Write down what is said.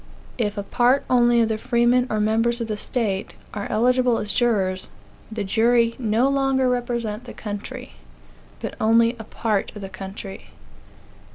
If a part only of the freemen, or members of the state, are eligible as jurors, the jury no longer represent "the country," but only a part of "the country."